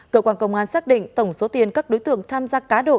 cơ quan công an xác định tổng số tiền các đối tượng tham gia cá độ